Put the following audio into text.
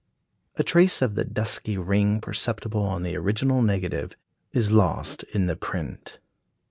A trace of the dusky ring perceptible on the original negative is lost in the print.